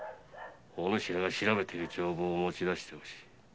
お主らが調べている帳簿を持ち出して欲しい。